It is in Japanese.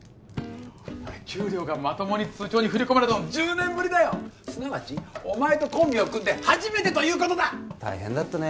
俺給料がまともに通帳に振り込まれたの１０年ぶりだよすなわちお前とコンビを組んで初めてということだ大変だったね